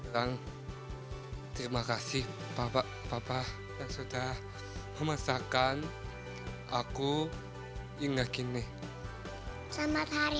dan terima kasih bapak bapak sudah memasakkan aku hingga kini selamat hari